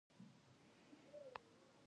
توپک د مرګ ژوبلې اله ده.